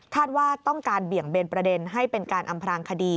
ว่าต้องการเบี่ยงเบนประเด็นให้เป็นการอำพลางคดี